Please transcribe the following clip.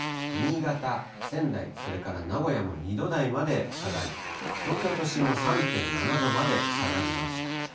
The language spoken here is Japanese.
新潟、仙台、それから名古屋も２度台まで下がり、東京都心も３．７度まで下がりました。